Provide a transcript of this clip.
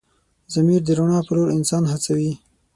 ضمیر د رڼا په لور انسان هڅوي.